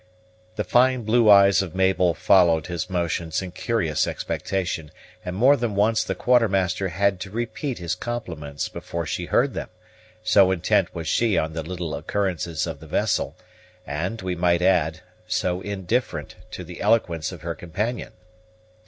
The fine blue eyes of Mabel followed his motions in curious expectation, and more than once the Quartermaster had to repeat his compliments before she heard them, so intent was she on the little occurrences of the vessel, and, we might add, so indifferent to the eloquence of her companion.